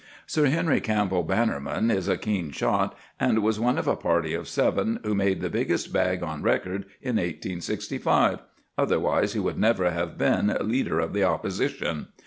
Sir Henry Campbell Bannerman is a keen shot, and was one of a party of seven who made the biggest bag on record in 1865, otherwise he would never have been Leader of the Opposition.